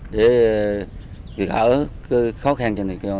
để việc ở khó khăn